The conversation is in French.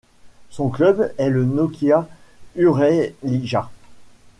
Son club est le Nokian Urheilijat.